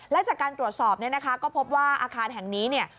และจากการตรวจสอบก็พบว่าอาคารแห่งนี้